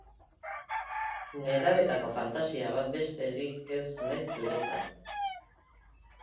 Nerabetako fantasia bat besterik ez naiz zuretzat.